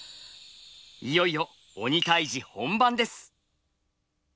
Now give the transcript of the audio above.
いよいよ鬼退治本番です。